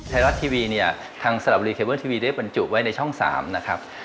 ไทรัตท์ทีวีทางสลับดีเคเวิร์นทีวีได้บรรจุไว้ในช่อง๓นะครับ